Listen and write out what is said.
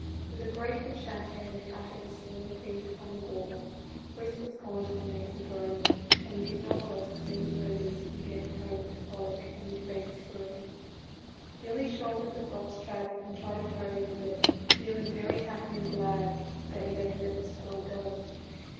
With a grate ful chatter and a patter of small feet upon the wall, Frisk was gone to the maple grove, and he did not waste many moments in getting home to Frolic and his baby squirrels. Billy shouldered the box trap and trotted home with it, feeling very happy and glad that he had let the squirrel go.